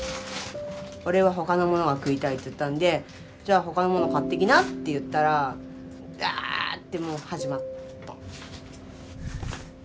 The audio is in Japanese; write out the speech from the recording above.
「俺は他のものが食いたい」って言ったんで「じゃあ他のもの買ってきな」って言ったらダーってもう始まった。